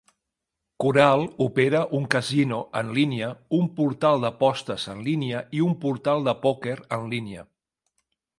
Coral opera un casino en línia, un portal d"apostes en línia i un portal de pòquer en línia.